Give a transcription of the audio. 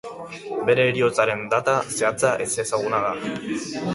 Bere heriotzaren data zehatza ezezaguna da.